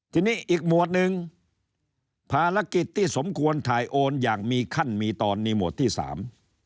ทีนี้อีกหมวดหนึ่งภารกิจที่สมควรถ่ายโอนอย่างมีขั้นมีตอนนี้หมวดที่สาม